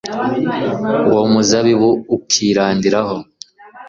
uwo muzabibu ukirandiraho